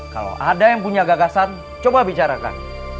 kalau ada yang punya gagasan coba bicarakan